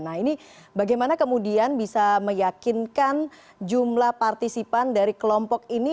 nah ini bagaimana kemudian bisa meyakinkan jumlah partisipan dari kelompok ini